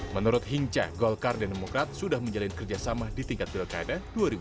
menurut hinca golkar dan demokrat sudah menjalin kerjasama di tingkat pilkada dua ribu tujuh belas